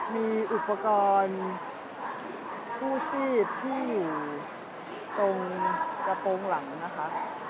มีอุปกรณ์กู้ชีพที่อยู่ตรงกระโปรงหลังนะคะ